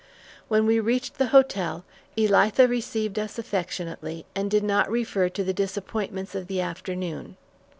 When we reached the hotel, Elitha received us affectionately, and did not refer to the disappointments of the afternoon.